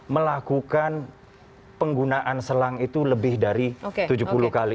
melakukan penggunaan selang itu lebih dari tujuh puluh kali